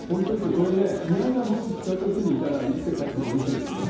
これね、宮根さん、もし北朝鮮にいたら生きて帰ってこれないですよね。